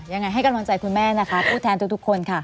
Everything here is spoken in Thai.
ยังไงให้กำลังใจคุณแม่นะคะผู้แทนทุกคนค่ะ